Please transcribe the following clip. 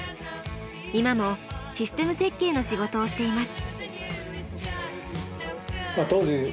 今もシステム設計の仕事をしています。